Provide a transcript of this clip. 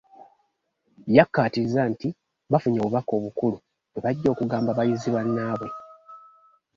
Yakkaatirizza nti bafunye obubaka obukulu bwe bajja okugamba bayizi bannaabwe.